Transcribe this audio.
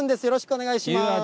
よろしくお願いします。